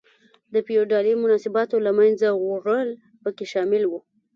د فیوډالي مناسباتو له منځه وړل پکې شامل و.